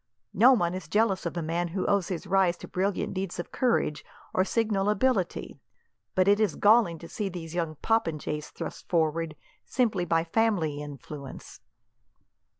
No one is jealous of a man who owes his rise to brilliant deeds of courage, or signal ability; but it is galling to see these young popinjays thrust forward, simply by family influence."